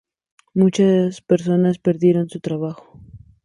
Muchas personas perdieron su trabajo.